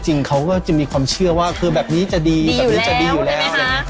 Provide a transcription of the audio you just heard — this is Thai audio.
จริงเขาก็จะมีความเชื่อว่าคือแบบนี้จะดีแบบนี้จะดีอยู่แล้วอะไรอย่างนี้